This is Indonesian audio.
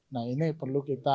nah ini perlu kita